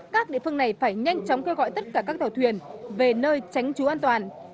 các địa phương này phải nhanh chóng kêu gọi tất cả các tàu thuyền về nơi tránh trú an toàn